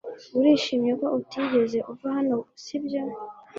Urishimye ko utigeze uva hano, si byo?